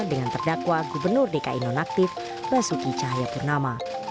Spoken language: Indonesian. dengan terdakwa gubernur dki nonaktif masuki cahaya purnama